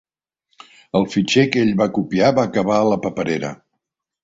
El fitxer que ell va copiar va acabar a la paperera.